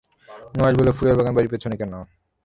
নুহাশ বলল, ফুলের বাগান বাড়ির পেছনে কেন?